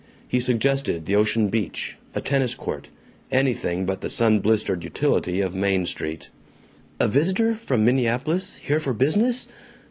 He suggested the ocean beach, a tennis court, anything but the sun blistered utility of Main Street. A visitor from Minneapolis, here for business?